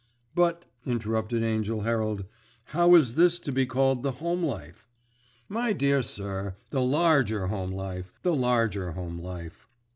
"But," interrupted Angell Herald, "how is this to be called 'The Home Life?'" "My dear sir, the Larger Home Life, the Larger Home Life.